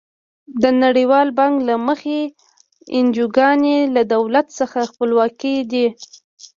د نړیوال بانک له مخې انجوګانې له دولت څخه خپلواکې دي.